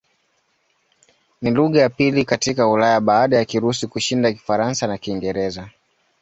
Ni lugha ya pili katika Ulaya baada ya Kirusi kushinda Kifaransa na Kiingereza.